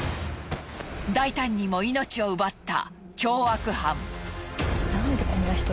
大胆にも命を奪った凶悪犯。